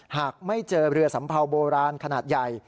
หากไม่เจอเรือสัมเภาโบราณขนาดใหญ่